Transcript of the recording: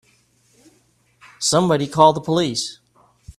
Somebody call the police!